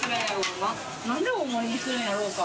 なんで大盛りにするんやろうか。